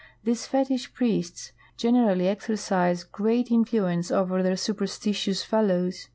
These fetich priests generally exercise great influence over their superstitious fellows.